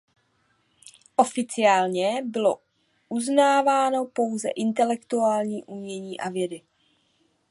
Oficiálně bylo uznáváno pouze intelektuální umění a vědy.